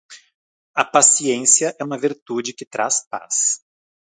A paciência é uma virtude que traz paz.